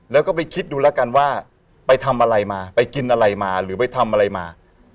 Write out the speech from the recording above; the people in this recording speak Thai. แล้วก็ไปคิดดูแล้วกันว่าไปทำอะไรมาไปกินอะไรมาหรือไปทำอะไรมา